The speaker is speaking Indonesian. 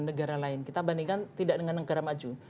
negara lain kita bandingkan tidak dengan negara maju